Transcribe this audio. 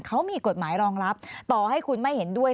เขามีกฎหมายรองรับต่อให้คุณไม่เห็นด้วย